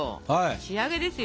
仕上げですよ。